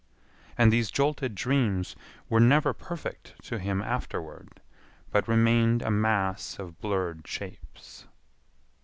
And these jolted dreams were never perfect to him afterward, but remained a mass of blurred shapes.